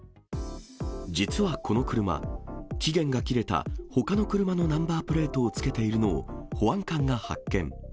実はこの車、期限が切れたほかの車のナンバープレートをつけているのを、保安官が発見。